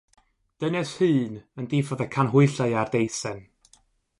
Dynes hŷn, yn diffodd y canhwyllau ar deisen.